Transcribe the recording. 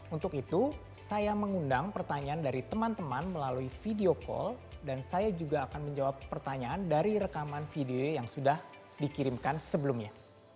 untuk itu saya mengundang pertanyaan dari teman teman melalui video call dan saya juga akan menjawab pertanyaan dari rekaman video yang sudah dikirimkan sebelumnya